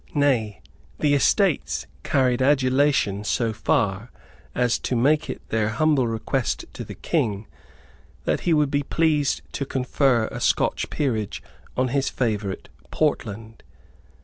Nay, the Estates carried adulation so far as to make it their humble request to the King that he would be pleased to confer a Scotch peerage on his favourite Portland.